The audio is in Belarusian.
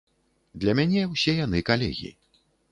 Для мяне ўсе яны калегі.